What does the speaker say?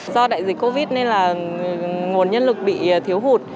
do đại dịch covid nên là nguồn nhân lực bị thiếu hụt